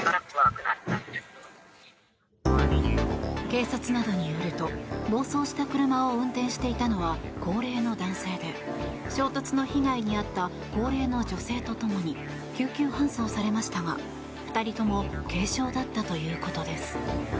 警察などによると暴走した車を運転していたのは高齢の男性で衝突の被害に遭った高齢の女性と共に救急搬送されましたが２人とも軽傷だったということです。